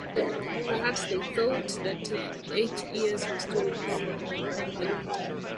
Perhaps they thought that eight years was too long a time.